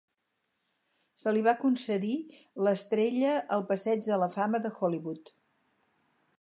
Se li va concedir l'estrella al Passeig de la Fama de Hollywood.